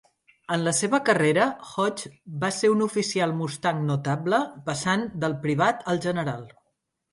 En la seva carrera, Hodges va ser un oficial mustang notable, passant del privat al general.